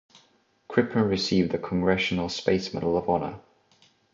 Crippen received the Congressional Space Medal of Honor.